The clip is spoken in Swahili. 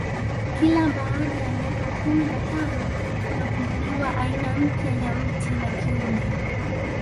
kila baada ya miaka kumi na tano kunavumbuliwa aina mpya ya mti na kiumbe